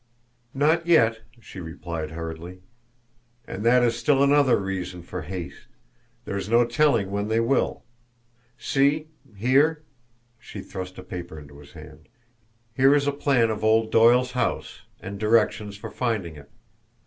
"Not yet," she replied hurriedly. "And that is still another reason for haste there is no telling when they will. See here!" She thrust a paper into his hand. "Here is a plan of old Doyle's house, and directions for finding it.